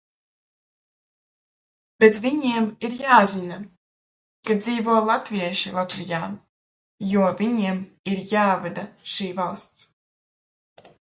Bet viņiem ir jāzina, kā dzīvo latvieši Latvijā, jo viņiem ir jāvada šī valsts.